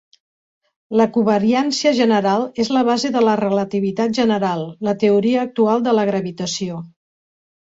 La covariància general és la base de la relativitat general, la teoria actual de la gravitació.